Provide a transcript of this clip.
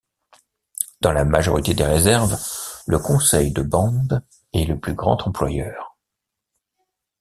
Dans la majorité des réserves, le conseil de bande est le plus grand employeur.